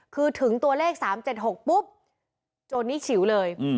คือถึงตัวเลขสามเจ็ดหกปุ๊บโจทย์นี้ฉิ๋วเลยอืม